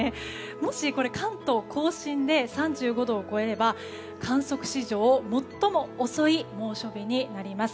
もし、関東・甲信で３５度を超えれば観測史上最も遅い猛暑日になります。